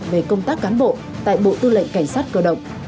về công tác cán bộ tại bộ tư lệnh cảnh sát cơ động